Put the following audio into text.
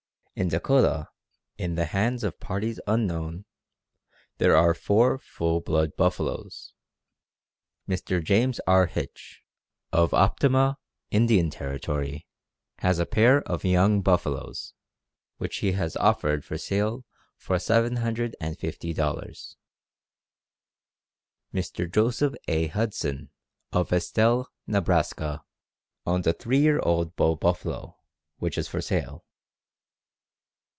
In Dakota, in the hands of parties unknown, there are four full blood buffaloes. Mr. James R. Hitch, of Optima, Indian Territory, has a pair of young buffaloes, which he has offered for sale for $750. Mr. Joseph A. Hudson, of Estell, Nebraska, owns a three year old bull buffalo, which is for sale.